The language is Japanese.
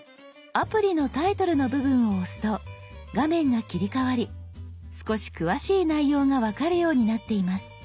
アプリのタイトルの部分を押すと画面が切り替わり少し詳しい内容が分かるようになっています。